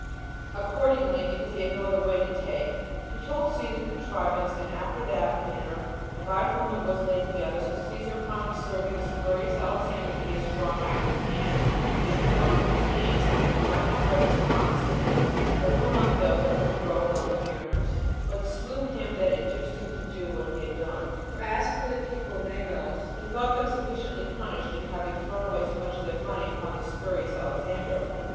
Accordingly, because he had no other way to take, he told Cæsar the contrivance, and after what manner and by whom it was laid together. So Cæsar, upon observing the spurious Alexander to be a strong active man, and fit to work with his hands, that he might not break his promise to him, put him among those that were to row among the mariners, but slew him that induced him to do what he had done; for as for the people of Melos, he thought them sufficiently punished, in having thrown away so much of their money upon this spurious Alexander.